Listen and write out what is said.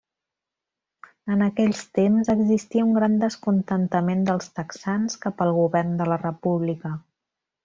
En aquells temps existia un gran descontentament dels texans cap al govern de la República.